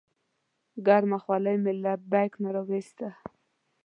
ګرمه خولۍ مې له بیک نه راوویسته.